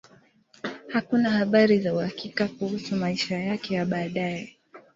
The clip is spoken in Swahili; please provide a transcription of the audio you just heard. Hakuna habari za uhakika kuhusu maisha yake ya baadaye.